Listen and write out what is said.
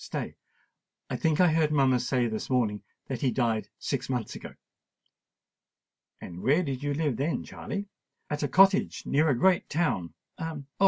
stay—I think I heard mamma say this morning that he died six months ago." "And where did you live then, Charley?" "At a cottage near a great town—Oh!